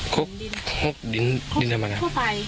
ครบกับสาก